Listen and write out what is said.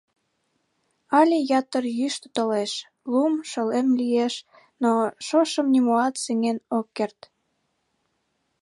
Але ятыр йӱштӧ толеш, лум, шолем лиеш, но шошым нимоат сеҥен ок керт.